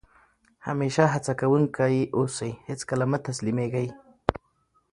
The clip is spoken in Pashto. همېشه هڅه کوونکی اوسى؛ هېڅ کله مه تسلیمېږئ!